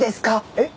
えっ？